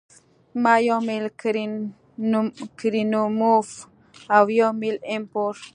یو میل کرینموف او یو میل ایم پور